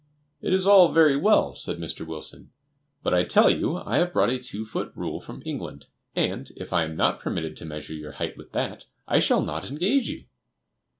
"It is all very well," said Mr. Wilson; "but I tell you I have brought a two foot rule from England, and, if I am not permitted to measure your height with that, I shall not engage you."